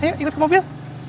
yuk ikut ke mobil